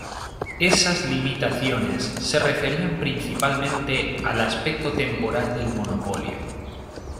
Esas limitaciones se referían principalmente al aspecto temporal del monopolio.